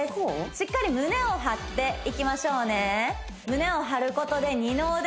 しっかり胸を張っていきましょうね